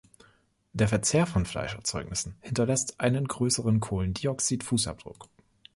Der Verzehr von Fleischerzeugnissen hinterlässt einen größeren Kohlendioxid-Fußabdruck.